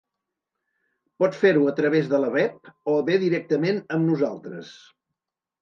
Pot fer-ho a través de la web o bé directament amb nosaltres.